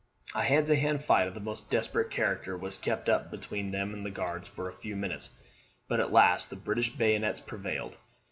A hand to hand fight, of the most desperate character, was kept up between them and the Guards for a few minutes; but at last the British bayonets prevailed.